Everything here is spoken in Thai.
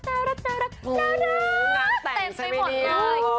อร่างเตนใส่ไปหมดเลย